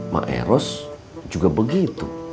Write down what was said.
maeros juga begitu